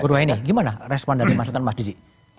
buruh ini gimana respon dari masukan mas didi